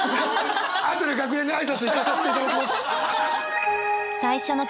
あとで楽屋に挨拶行かさしていただきます。